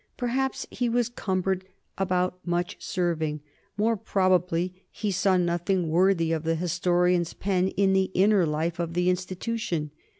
Perhaps he was cumbered about much serving; more probably he saw nothing worthy of the historian's pen in the inner life of the institution.